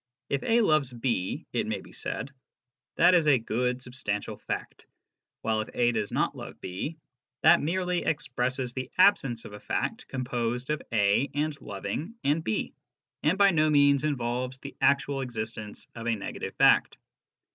If A loves B, it may be said, that is a good substantial fact ; while if A does not love B, that merely expresses the absence of a fact composed of A and HOW PROPOSITIONS MEAN. 5 loving and B, and by no means involves the actual existence of a negative fact.